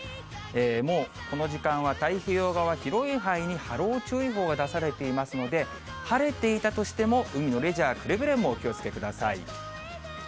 もうこの時間は太平洋側、広い範囲に波浪注意報が出されていますので、晴れていたとしても海のレジャー、くれぐれもお気をつけください。